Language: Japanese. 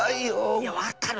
いやわかる！